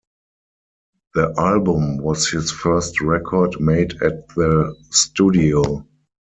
The album was his first record made at the studio.